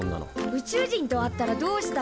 宇宙人と会ったらどうしたい？